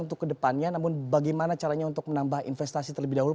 untuk kedepannya namun bagaimana caranya untuk menambah investasi terlebih dahulu